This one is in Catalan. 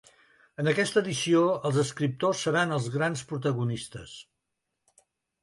En aquesta edició, els escriptors seran els grans protagonistes.